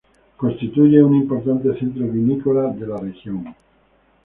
Constituye un importante centro vinícola de la región.